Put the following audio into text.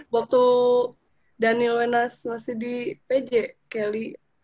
waktu daniel wenas masih di pj kelly